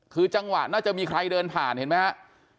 คือจังหวะน่าจะมีใครเดินผ่านเห็นไหมครับ